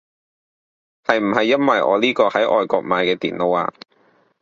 係唔係因為我呢個係外國買嘅電腦啊